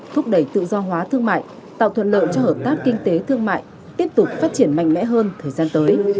thúc đẩy tự do hóa thương mại tạo thuận lợi cho hợp tác kinh tế thương mại tiếp tục phát triển mạnh mẽ hơn thời gian tới